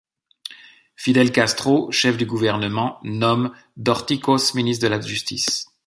Fidel Castro, chef du gouvernement, nomme Dorticós ministre de la Justice.